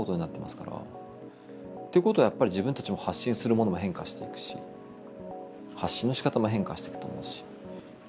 っていうことはやっぱり自分たちも発信するものも変化していくし発信のしかたも変化していくと思うし。